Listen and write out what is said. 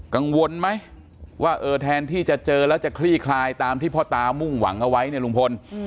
กังวลไหมว่าเออแทนที่จะเจอแล้วจะคลี่คลายตามที่พ่อตามุ่งหวังเอาไว้เนี่ยลุงพล